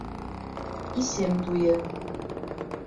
Исем туйы